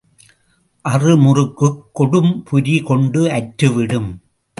அற முறுக்குக் கொடும்புரி கொண்டு அற்று விடும்.